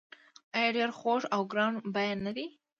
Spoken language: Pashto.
آیا ډیر خوږ او ګران بیه نه دي؟